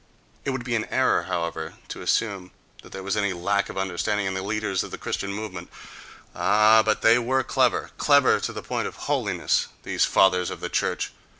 It would be an error, however, to assume that there was any lack of understanding in the leaders of the Christian movement:—ah, but they were clever, clever to the point of holiness, these fathers of the church!